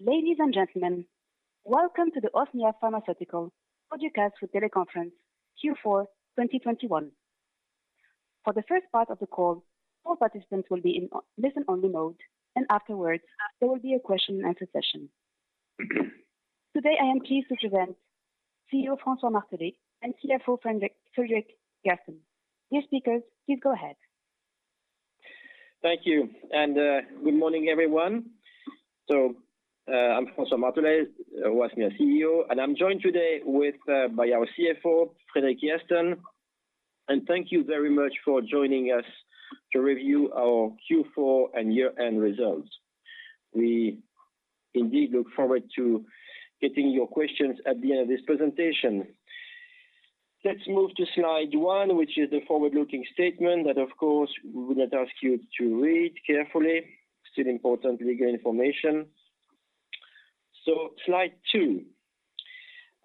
Ladies, and gentlemen, welcome to the Oasmia Pharmaceutical Podcast with Teleconference Q4 2021. For the first part of the call, all participants will be in listen-only mode, and afterwards there will be a question-and-answer session. Today, I am pleased to present CEO François Martelet and CFO Fredrik Järrsten. Dear speakers, please go ahead. Thank you, and good morning, everyone. I'm François Martelet, Oasmia CEO, and I'm joined today by our CFO, Fredrik Järrsten. Thank you very much for joining us to review our Q4 and year-end results. We indeed look forward to getting your questions at the end of this presentation. Let's move to slide one, which is the forward-looking statement that, of course, we would ask you to read carefully. Still important legal information. Slide two.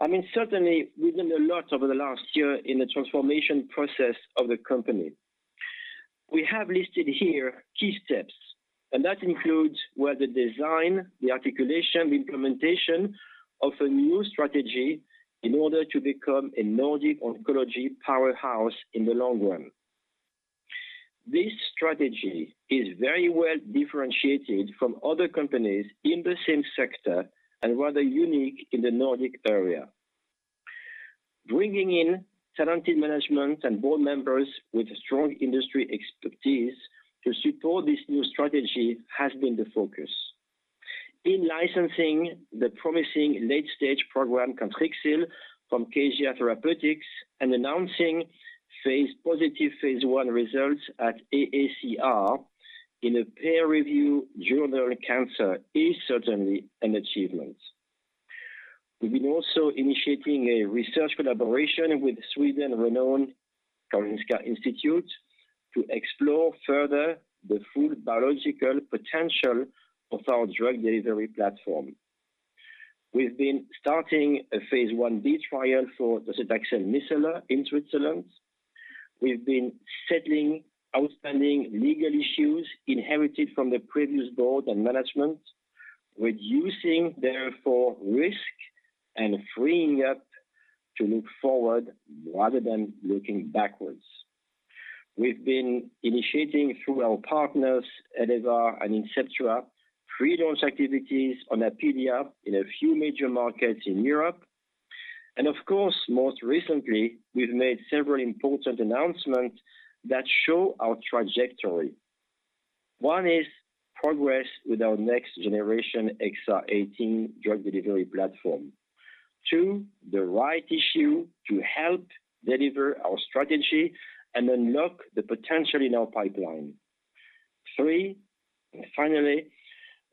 I mean, certainly we've done a lot over the last year in the transformation process of the company. We have listed here key steps, and that includes where the design, the articulation, the implementation of a new strategy in order to become a Nordic oncology powerhouse in the long run. This strategy is very well differentiated from other companies in the same sector and rather unique in the Nordic area. Bringing in talented management and board members with strong industry expertise to support this new strategy has been the focus. In licensing the promising late-stage program Cantrixil from Kazia Therapeutics and announcing positive phase I results at AACR in a peer-reviewed journal Cancer is certainly an achievement. We've been also initiating a research collaboration with Sweden renowned Karolinska Institutet to explore further the full biological potential of our drug delivery platform. We've been starting a phase I-B trial for Docetaxel micellar in Switzerland. We've been settling outstanding legal issues inherited from the previous board and management, reducing therefore risk and freeing up to look forward rather than looking backwards. We've been initiating through our partners, Elevar and Inceptua, pre-launch activities on Apealea in a few major markets in Europe. Of course, most recently, we've made several important announcements that show our trajectory. One is progress with our next generation XR-18 drug delivery platform. Two, the rights issue to help deliver our strategy and unlock the potential in our pipeline. Three, and finally,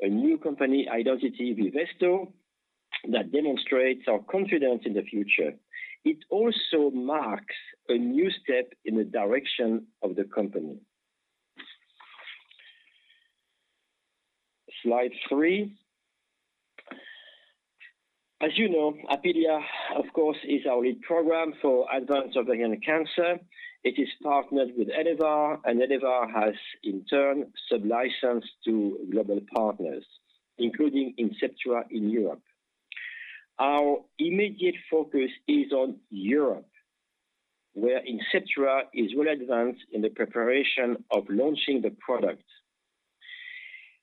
a new company identity, Vivesto, that demonstrates our confidence in the future. It also marks a new step in the direction of the company. Slide three. As you know, Apealea, of course, is our lead program for advanced ovarian cancer. It is partnered with Elevar, and Elevar has in turn sub-licensed to global partners, including Inceptua in Europe. Our immediate focus is on Europe, where Inceptua is well advanced in the preparation of launching the product.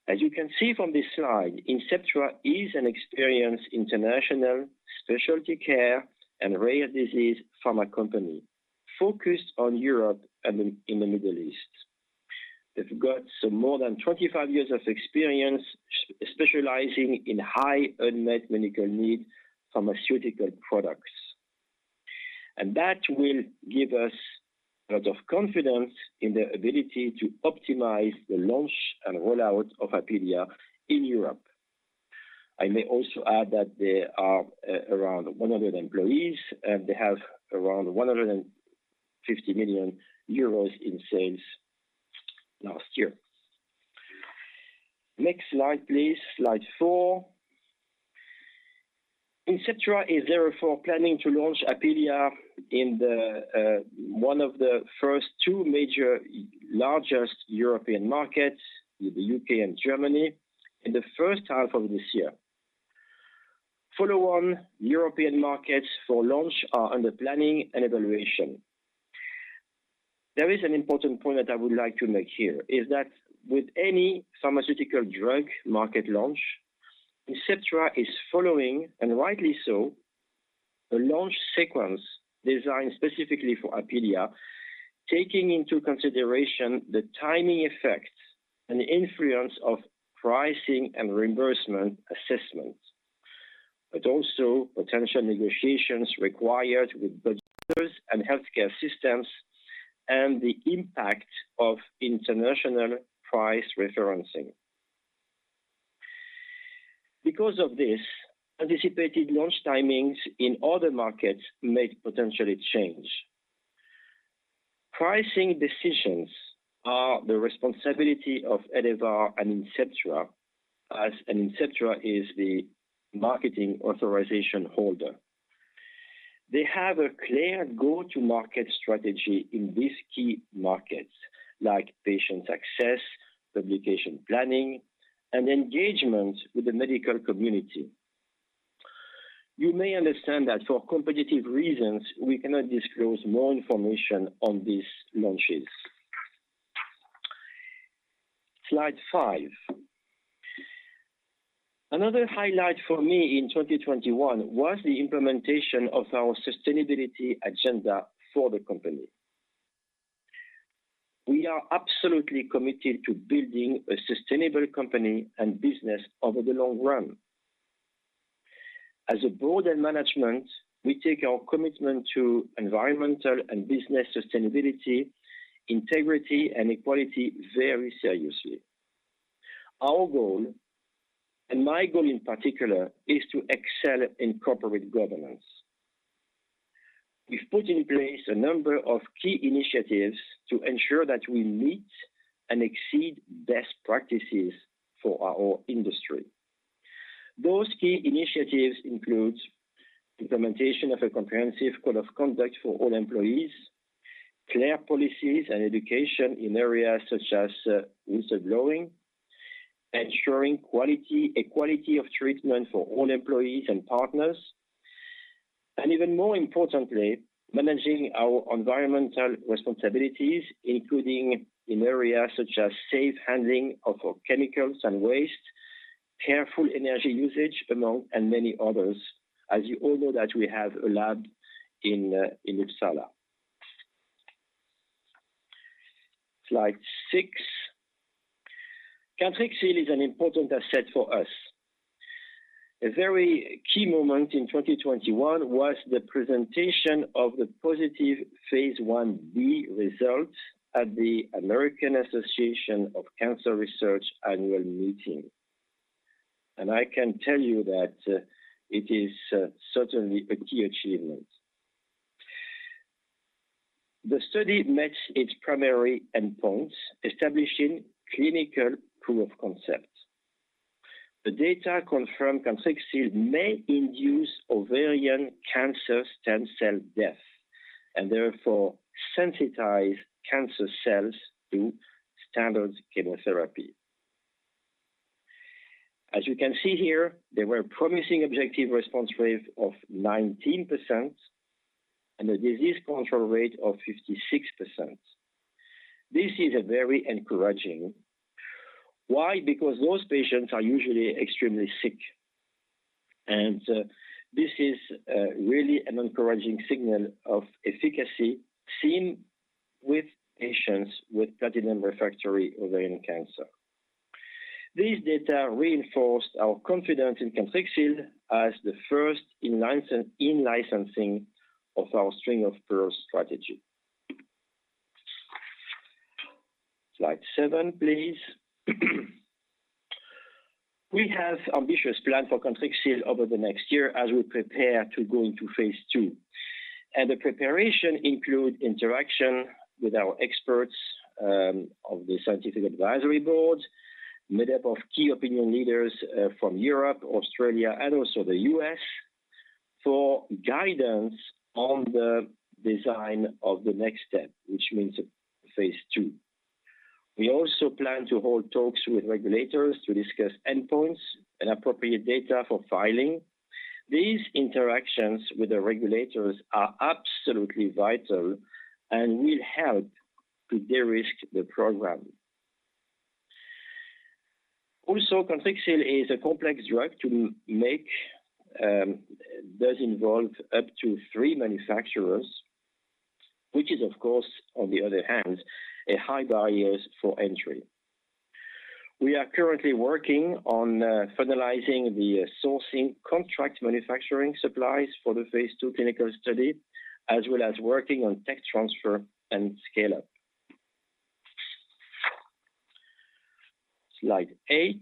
As you can see from this slide, Inceptua is an experienced international specialty care and rare disease pharma company focused on Europe and in the Middle East. They've got some more than 25 years of experience specializing in high unmet medical need pharmaceutical products. That will give us a lot of confidence in their ability to optimize the launch and rollout of Apealea in Europe. I may also add that there are around 100 employees, and they have around 150 million euros in sales last year. Next slide, please. Slide four. Inceptua is therefore planning to launch Apealea in one of the first two major largest European markets, in the U.K. and Germany, in the first half of this year. Follow-on European markets for launch are under planning and evaluation. There is an important point that I would like to make here, is that with any pharmaceutical drug market launch, Inceptua is following, and rightly so, a launch sequence designed specifically for Apealea, taking into consideration the timing effects and influence of pricing and reimbursement assessments. Also potential negotiations required with budget holders and healthcare systems and the impact of international price referencing. Because of this, anticipated launch timings in other markets may potentially change. Pricing decisions are the responsibility of Elevar and Inceptua, as Inceptua is the marketing authorization holder. They have a clear go-to-market strategy in these key markets like patient access, publication planning, and engagement with the medical community. You may understand that for competitive reasons, we cannot disclose more information on these launches. Slide five. Another highlight for me in 2021 was the implementation of our sustainability agenda for the company. We are absolutely committed to building a sustainable company and business over the long run. As a board and management, we take our commitment to environmental and business sustainability, integrity, and equality very seriously. Our goal, and my goal in particular, is to excel in corporate governance. We've put in place a number of key initiatives to ensure that we meet and exceed best practices for our industry. Those key initiatives include implementation of a comprehensive code of conduct for all employees, clear policies and education in areas such as whistleblowing, ensuring quality, equality of treatment for all employees and partners. Even more importantly, managing our environmental responsibilities, including in areas such as safe handling of chemicals and waste, careful energy usage among others, and many others. As you all know that we have a lab in in Uppsala. Slide six. Cantrixil is an important asset for us. A very key moment in 2021 was the presentation of the positive phase I-B result at the American Association of Cancer Research annual meeting. I can tell you that it is certainly a key achievement. The study met its primary endpoints, establishing clinical proof of concept. The data confirmed Cantrixil may induce ovarian cancer stem cell death, and therefore sensitize cancer cells to standard chemotherapy. As you can see here, there were promising objective response rate of 19% and a disease control rate of 56%. This is very encouraging. Why? Because those patients are usually extremely sick. This is really an encouraging signal of efficacy seen with patients with platinum-refractory ovarian cancer. These data reinforced our confidence in Cantrixil as the first in-licensing of our String of Pearls strategy. Slide seven, please. We have ambitious plan for Cantrixil over the next year as we prepare to go into phase II. The preparation include interaction with our experts of the scientific advisory board, made up of key opinion leaders from Europe, Australia, and also the U.S., for guidance on the design of the next step, which means phase II. We also plan to hold talks with regulators to discuss endpoints and appropriate data for filing. These interactions with the regulators are absolutely vital and will help to de-risk the program. Cantrixil is a complex drug to make, does involve up to three manufacturers, which is, of course, on the other hand, high barriers to entry. We are currently working on finalizing the sourcing contract manufacturing supplies for the phase II clinical study, as well as working on tech transfer and scale-up. Slide eight.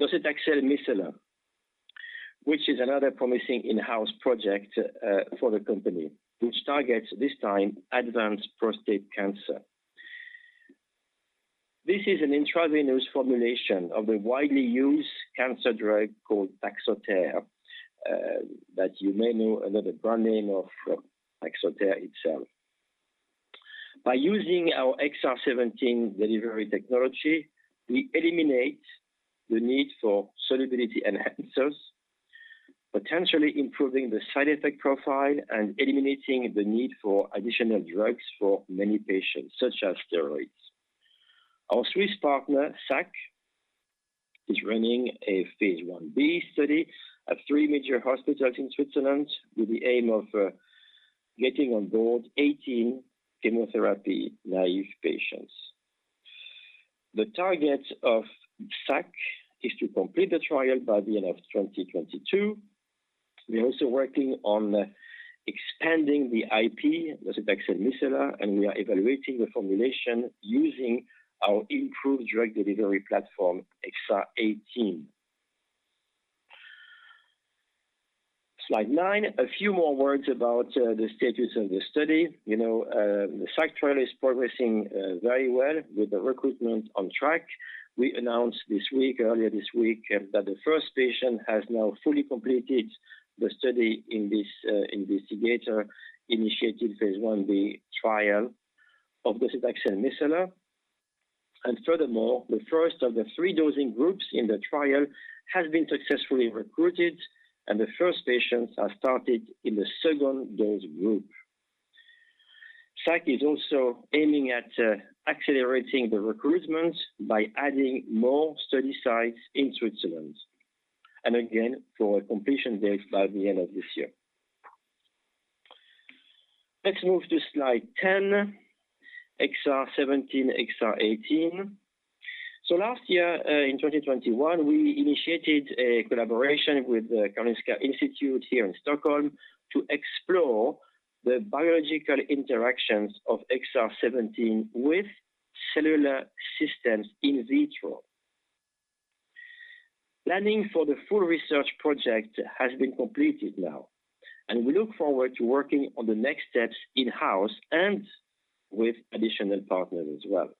Docetaxel micellar, which is another promising in-house project for the company, which targets this time advanced prostate cancer. This is an intravenous formulation of the widely used cancer drug called Taxotere that you may know another brand name of Taxotere itself. By using our XR-17 delivery technology, we eliminate the need for solubility enhancers, potentially improving the side effect profile and eliminating the need for additional drugs for many patients, such as steroids. Our Swiss partner, SAKK, is running a phase I-B study at three major hospitals in Switzerland with the aim of getting on board 18 chemotherapy-naive patients. The target of SAKK is to complete the trial by the end of 2022. We're also working on expanding the IP, docetaxel micellar, and we are evaluating the formulation using our improved drug delivery platform, XR-18. Slide nine. A few more words about the status of the study. You know, the SAKK trial is progressing very well with the recruitment on track. We announced this week, earlier this week, that the first patient has now fully completed the study in this investigator-initiated phase I-B trial of docetaxel micellar. Furthermore, the first of the three dosing groups in the trial has been successfully recruited, and the first patients have started in the second dose group. SAKK is also aiming at accelerating the recruitment by adding more study sites in Switzerland for a completion date by the end of this year. Let's move to slide 10, XR-17, XR-18. Last year, in 2021, we initiated a collaboration with the Karolinska Institutet here in Stockholm to explore the biological interactions of XR-17 with cellular systems in vitro. Planning for the full research project has been completed now, and we look forward to working on the next steps in-house and with additional partners as well.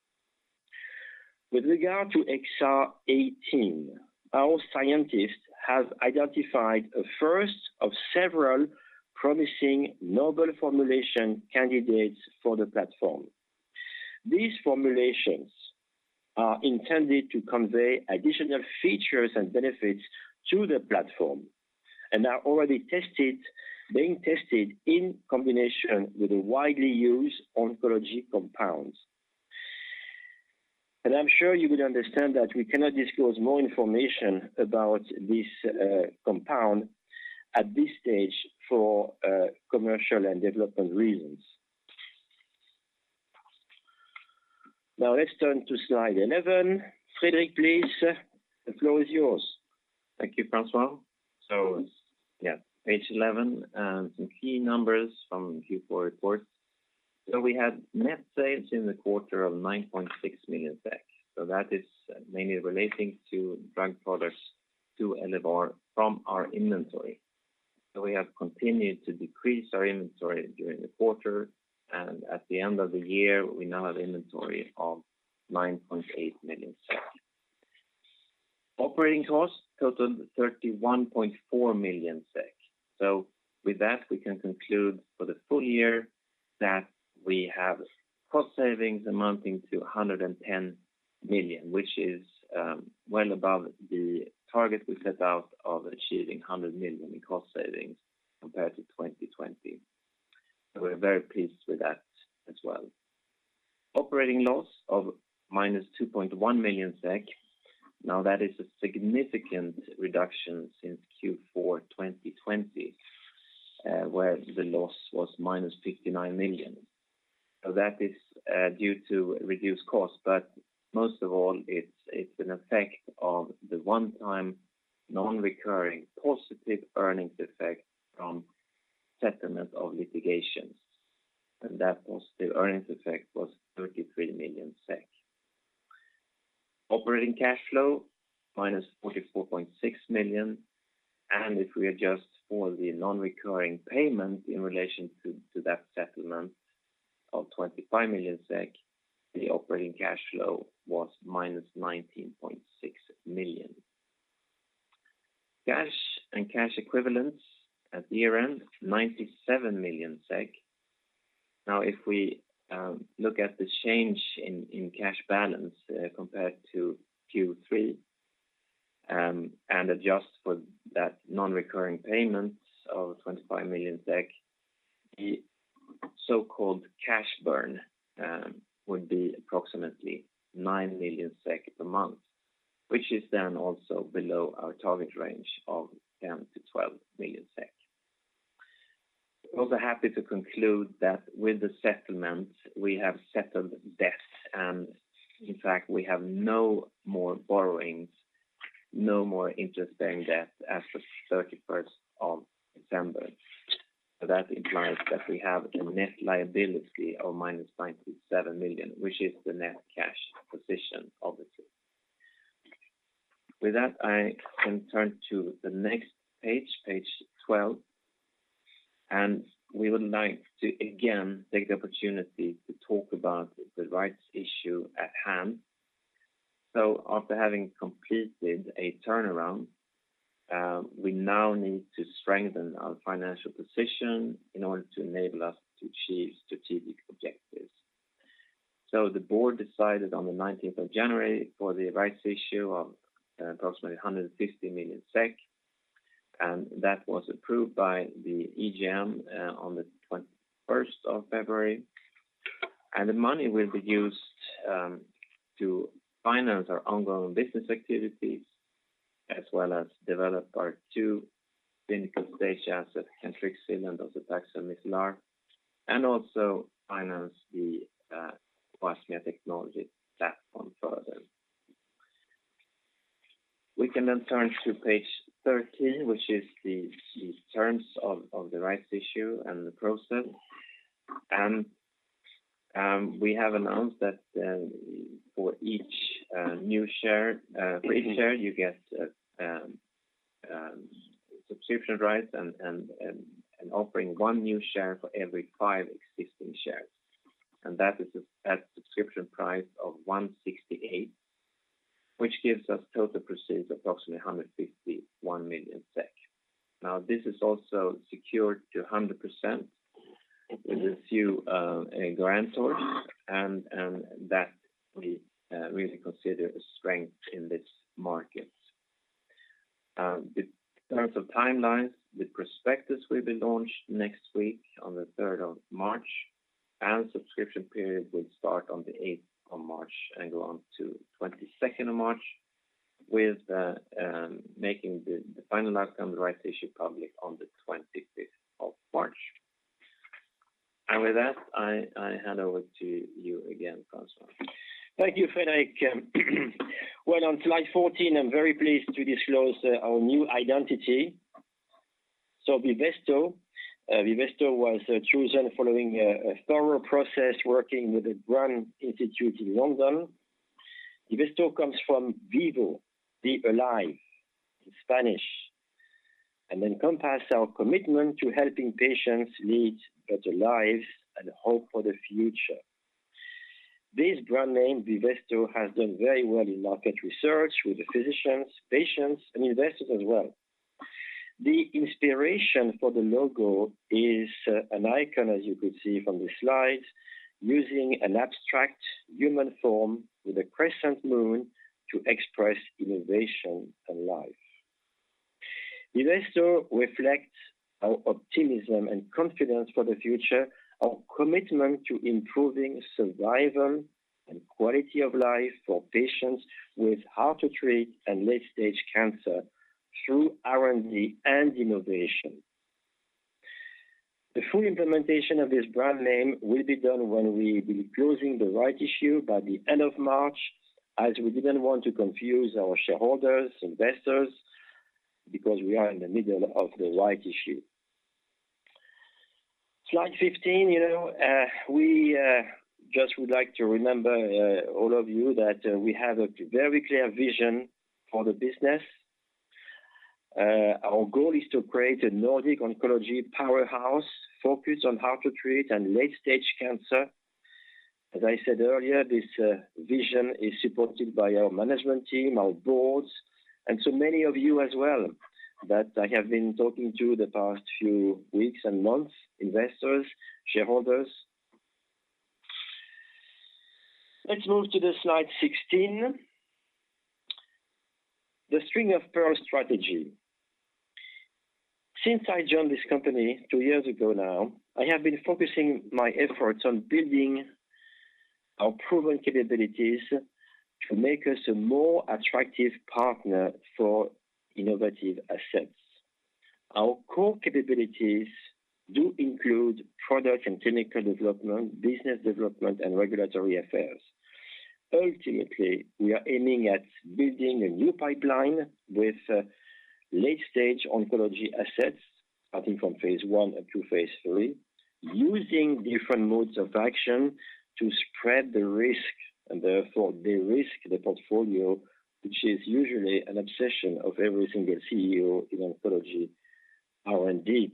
With regard to XR-18, our scientists have identified a first of several promising novel formulation candidates for the platform. These formulations are intended to convey additional features and benefits to the platform and are being tested in combination with a widely used oncology compound. I'm sure you would understand that we cannot disclose more information about this compound at this stage for commercial and development reasons. Now let's turn to slide 11. Fredrik, please. The floor is yours. Thank you, François. Yeah, page 11, some key numbers from Q4 report. We had net sales in the quarter of 9.6 million. That is mainly relating to drug products to Elevar from our inventory. We have continued to decrease our inventory during the quarter. At the end of the year, we now have inventory of 9.8 million. Operating costs totaled 31.4 million SEK. With that, we can conclude for the full year that we have cost savings amounting to 110 million, which is well above the target we set out of achieving 100 million in cost savings compared to 2020. We're very pleased with that as well. Operating loss of -2.1 million SEK. That is a significant reduction since Q4 2020, where the loss was -59 million. That is due to reduced costs. Most of all, it's an effect of the one-time non-recurring positive earnings effect from settlement of litigations. That positive earnings effect was 33 million SEK. Operating cash flow -44.6 million. If we adjust for the non-recurring payment in relation to that settlement of 25 million SEK, the operating cash flow was -19.6 million. Cash and cash equivalents at year-end, 97 million. Now, if we look at the change in cash balance compared to Q3 and adjust for that non-recurring payment of 25 million SEK, the so-called cash burn would be approximately 9 million SEK per month, which is then also below our target range of 10 million-12 million SEK. Happy to conclude that with the settlement, we have settled debts. In fact, we have no more borrowings, no more interest-bearing debt as of December 31st. That implies that we have a net liability of -97 million, which is the net cash position, obviously. With that, I can turn to the next page 12. We would like to again take the opportunity to talk about the rights issue at hand. After having completed a turnaround, we now need to strengthen our financial position in order to enable us to achieve strategic objectives. The board decided on the 19th of January for the rights issue of approximately 150 million SEK, and that was approved by the EGM on the 21st of February. The money will be used to finance our ongoing business activities, as well as develop our two clinical-stage assets, Cantrixil and docetaxel micellar, and also finance the Oasmia technology platform further. We can turn to page 13, which is the terms of the rights issue and the process. We have announced that for each share you get subscription rights and offering one new share for every five existing shares. That is at subscription price of 1.68, which gives us total proceeds approximately 151 million SEK. Now this is also secured 100% with a few guarantors and that we really consider a strength in this market. In terms of timelines, the prospectus will be launched next week on the 3rd of March, and subscription period will start on the 8th of March and go on to 22nd of March with making the final outcome of the right issue public on the 25th of March. With that, I hand over to you again, François. Thank you, Fredrik. Well, on slide 14, I'm very pleased to disclose our new identity. Vivesto. Vivesto was chosen following a thorough process working with the Brand Institute in London. Vivesto comes from Vivo, be alive in Spanish, and encompass our commitment to helping patients lead better lives and hope for the future. This brand name, Vivesto, has done very well in market research with the physicians, patients, and investors as well. The inspiration for the logo is an icon, as you could see from the slide, using an abstract human form with a crescent moon to express innovation and life. Vivesto reflects our optimism and confidence for the future, our commitment to improving survival and quality of life for patients with hard-to-treat and late-stage cancer through R&D and innovation. The full implementation of this brand name will be done when we'll be closing the rights issue by the end of March, as we didn't want to confuse our shareholders, investors, because we are in the middle of the rights issue. Slide 15. You know, we just would like to remind all of you that we have a very clear vision for the business. Our goal is to create a Nordic oncology powerhouse focused on hard-to-treat and late-stage cancer. As I said earlier, this vision is supported by our management team, our boards, and so many of you as well that I have been talking to the past few weeks and months, investors, shareholders. Let's move to the slide 16. The String of Pearls strategy. Since I joined this company two years ago now, I have been focusing my efforts on building our proven capabilities to make us a more attractive partner for innovative assets. Our core capabilities do include product and clinical development, business development, and regulatory affairs. Ultimately, we are aiming at building a new pipeline with late-stage oncology assets, starting from phase I up to phase III, using different modes of action to spread the risk and therefore derisk the portfolio, which is usually an obsession of every single CEO in oncology, R&D.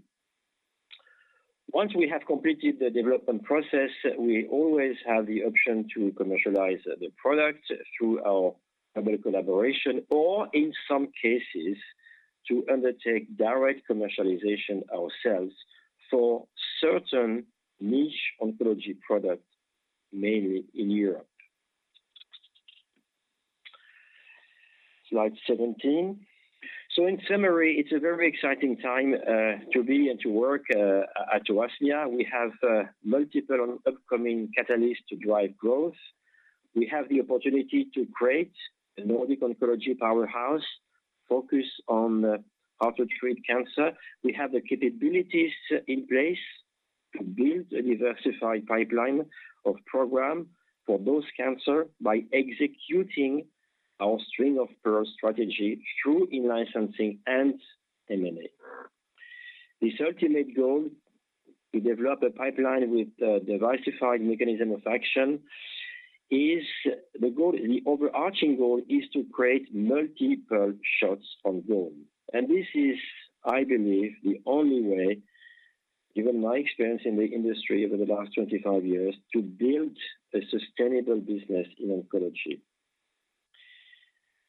Once we have completed the development process, we always have the option to commercialize the product through our clinical collaboration, or in some cases to undertake direct commercialization ourselves for certain niche oncology products, mainly in Europe. Slide 17. In summary, it's a very exciting time to be and to work at Oasmia. We have multiple upcoming catalysts to drive growth. We have the opportunity to create a Nordic oncology powerhouse focused on hard-to-treat cancer. We have the capabilities in place to build a diversified pipeline of programs for those cancers by executing our String of Pearls strategy through in-licensing and M&A. This ultimate goal to develop a pipeline with a diversified mechanism of action is the goal. The overarching goal is to create multiple shots on goal. This is, I believe, the only way, given my experience in the industry over the last 25 years, to build a sustainable business in oncology.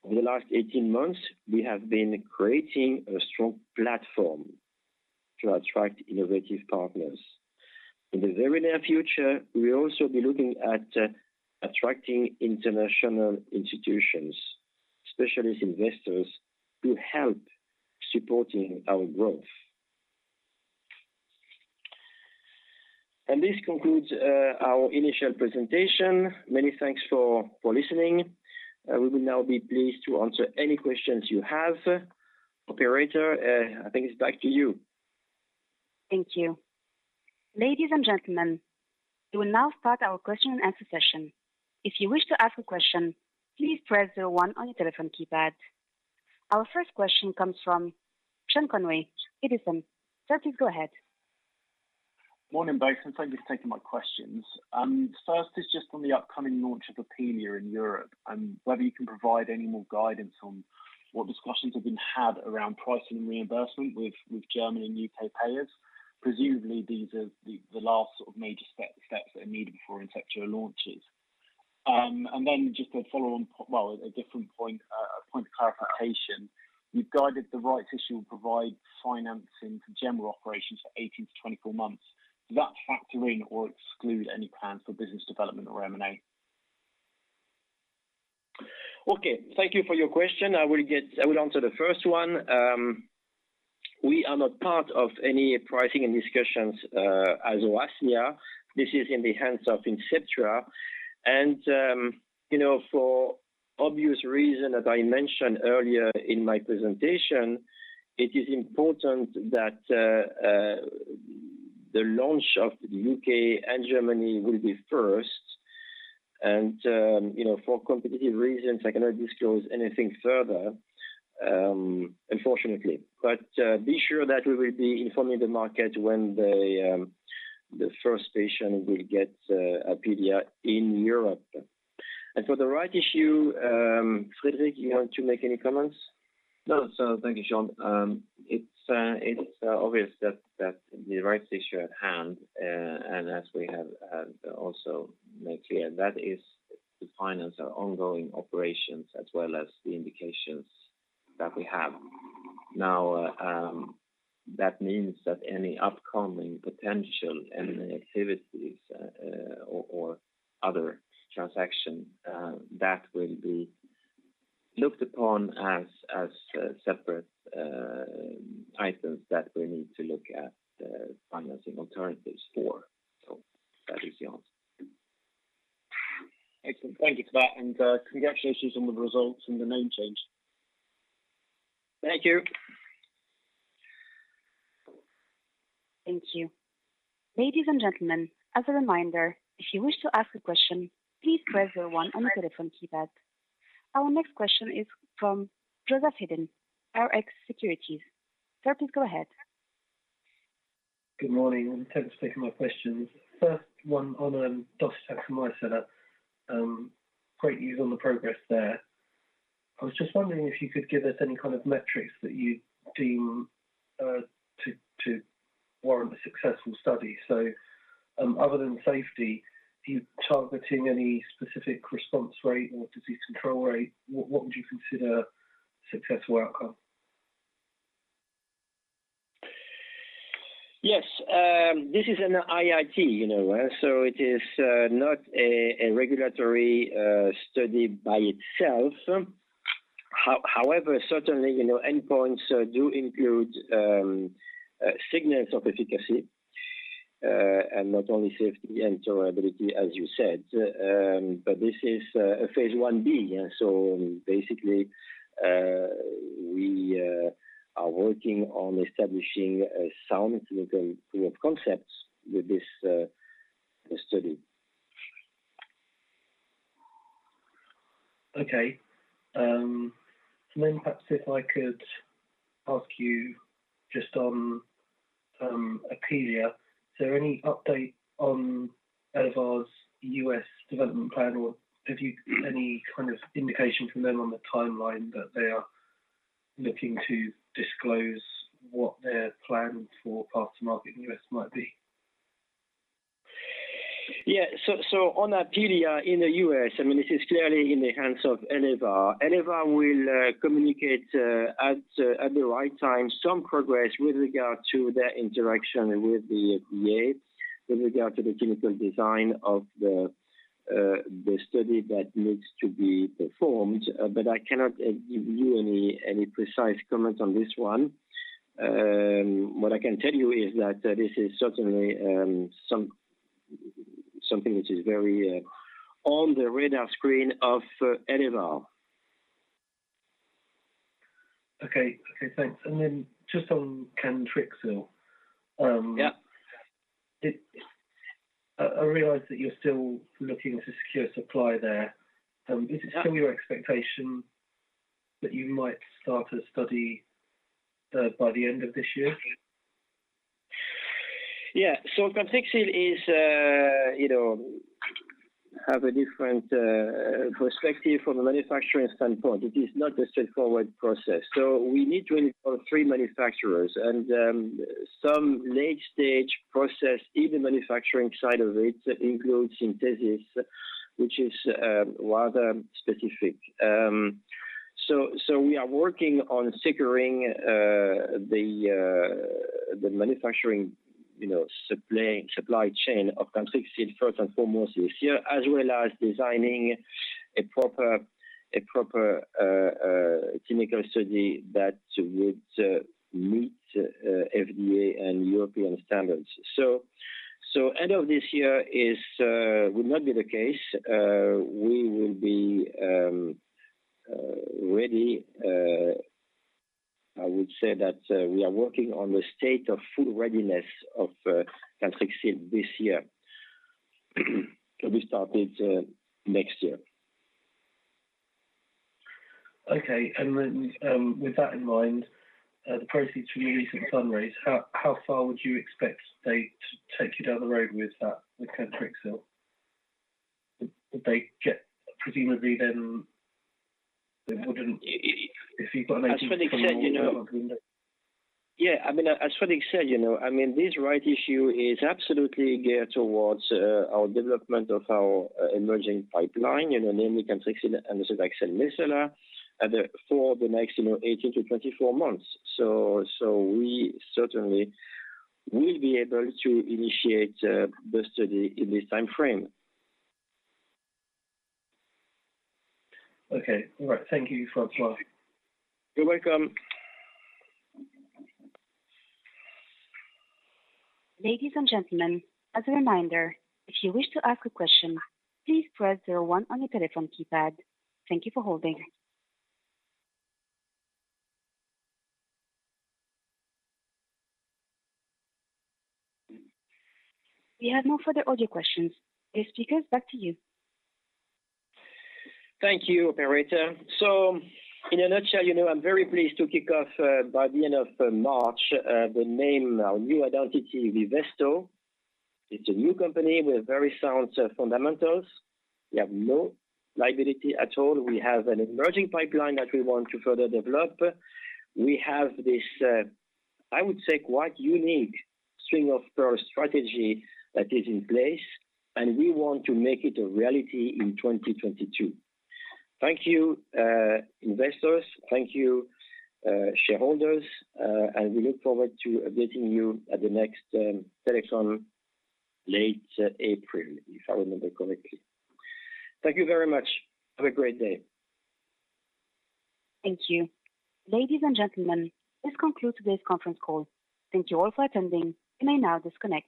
Over the last 18 months, we have been creating a strong platform to attract innovative partners. In the very near future, we'll also be looking at attracting international institutions, specialist investors to help supporting our growth. This concludes our initial presentation. Many thanks for listening. We will now be pleased to answer any questions you have. Operator, I think it's back to you. Thank you. Ladies, and gentlemen, we will now start our question-and-answer session. If you wish to ask a question, please press zero one on your telephone keypad. Our first question comes from Sean Conway, Edison Group. Sir, please go ahead. Morning both, and thank you for taking my questions. First is just on the upcoming launch of Apealea in Europe, and whether you can provide any more guidance on what discussions have been had around pricing and reimbursement with Germany and U.K. payers. Presumably these are the last sort of major steps that are needed before Inceptua launches. And then just to follow on, a different point, a point of clarification. You've guided the rights issue will provide financing for general operations for 18-24 months. Does that factor in or exclude any plans for business development or M&A? Okay, thank you for your question. I will answer the first one. We are not part of any pricing and discussions as Oasmia. This is in the hands of Inceptua. You know, for obvious reason, as I mentioned earlier in my presentation, it is important that the launch of the U.K. and Germany will be first. You know, for competitive reasons, I cannot disclose anything further, unfortunately. Be sure that we will be informing the market when the first patient will get Apealea in Europe. For the rights issue, Fredrik, you want to make any comments? No, thank you, Sean. It's obvious that the rights issue at hand, and as we have also made clear, that is to finance our ongoing operations as well as the indications that we have. Now, that means that any upcoming potential M&A activities, or other transaction, that will be looked upon as separate items that we need to look at financing alternatives for. That is the answer. Excellent. Thank you for that. Congratulations on the results and the name change. Thank you. Thank you. Ladies, and gentlemen, as a reminder, if you wish to ask a question, please press one on the telephone keypad. Our next question is from Joseph Hedden, Rx Securities. Sir, please go ahead. Good morning, and thanks for taking my questions. First one on Docetaxel micellar. Great news on the progress there. I was just wondering if you could give us any kind of metrics that you deem to warrant a successful study. Other than safety, are you targeting any specific response rate or disease control rate? What would you consider successful outcome? Yes. This is an IIT, you know. It is not a regulatory study by itself. However, certainly, you know, endpoints do include signals of efficacy and not only safety and tolerability, as you said. This is a phase I-B. Basically, we are working on establishing a sound clinical proof of concept with this study. Okay. Perhaps if I could ask you just on Apealea. Is there any update on Elevar's U.S. development plan, or have you any kind of indication from them on the timeline that they are looking to disclose what their plan for path to market in the U.S. might be? On Apealea in the U.S., I mean, this is clearly in the hands of Elevar. Elevar will communicate at the right time some progress with regard to their interaction with the FDA, with regard to the clinical design of the study that needs to be performed. I cannot give you any precise comments on this one. What I can tell you is that this is certainly something which is very on the radar screen of Elevar. Okay. Okay, thanks. Just on Cantrixil. Yeah. I realize that you're still looking to secure supply there. Is it still your expectation that you might start a study by the end of this year? Yeah. Cantrixil is, you know, have a different perspective from a manufacturing standpoint. It is not a straightforward process. We need to involve three manufacturers and some late-stage process in the manufacturing side of it includes synthesis, which is rather specific. We are working on securing the manufacturing, you know, supply chain of Cantrixil first and foremost this year, as well as designing a proper clinical study that would meet FDA and European standards. End of this year would not be the case. We will be ready. I would say that we are working on the state of full readiness of Cantrixil this year to be started next year. Okay. With that in mind, the proceeds from your recent fundraise, how far would you expect they to take you down the road with that, with Cantrixil? Would they get presumably then they wouldn't if you've got anything from. [inaudible] As Fredrik said, you know. I mean, this rights issue is absolutely geared towards our development of our emerging pipeline. You know, namely Cantrixil and Docetaxel micellar for the next 18-24 months. We certainly will be able to initiate the study in this timeframe. Okay. All right. Thank you, François. You're welcome. Ladies, and gentlemen, as a reminder, if you wish to ask a question, please press zero one on your telephone keypad. Thank you for holding. We have no further audio questions. Okay, speakers, back to you. Thank you, Operator. In a nutshell, you know, I'm very pleased to kick off by the end of March the name our new identity, Vivesto. It's a new company with very sound fundamentals. We have no liability at all. We have an emerging pipeline that we want to further develop. We have this, I would say, quite unique String of Pearls strategy that is in place, and we want to make it a reality in 2022. Thank you, investors. Thank you, shareholders, and we look forward to updating you at the next telecon late April, if I remember correctly. Thank you very much. Have a great day. Thank you. Ladies, and gentlemen, this concludes today's conference call. Thank you all for attending. You may now disconnect.